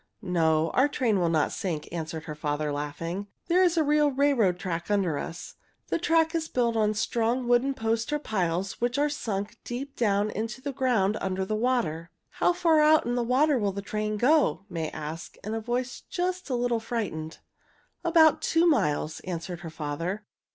"No, our train will not sink," answered her father, laughing. "There is a real railroad track under us. The track is built on strong wooden posts or piles which are sunk deep down into the ground under the water." [Illustration: "Our train is running right on the water!"] "How far out on the water will the train go?" May asked, in a voice just a little frightened. "About two miles," answered her father.